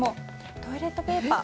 トイレットペーパー。